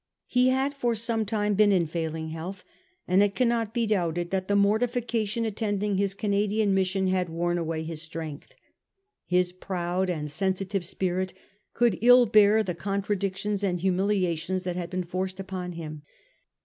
He had for some time been in failing health, and it cannot be doubted that the mortification attending his Canadian mission had worn away his strength. His proud and sensitive spirit could ill bear the con tradictions and humiliations that had been forced upon him.